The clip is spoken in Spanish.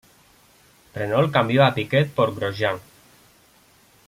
Renault cambió a Piquet por Grosjean.